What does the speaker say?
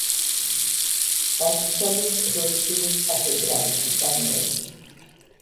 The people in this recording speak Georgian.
დაკრძალეს როსკილეს კათედრალში, დანიაში.